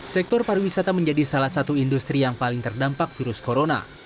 sektor pariwisata menjadi salah satu industri yang paling terdampak virus corona